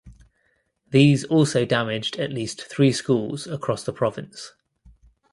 These also damaged at least three schools across the province.